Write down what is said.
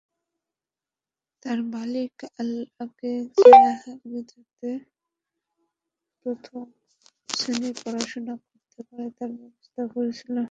তাঁর মালিক আল-কাজিনী যাতে প্রথম শ্রেণির পড়াশোনা করতে পারে তার ব্যবস্থা করেছিলেন।